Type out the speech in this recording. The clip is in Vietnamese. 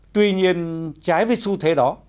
tuy nhiên trái với xu thế đó